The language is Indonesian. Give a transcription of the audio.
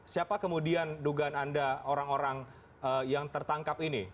siapa kemudian dugaan anda orang orang yang tertangkap ini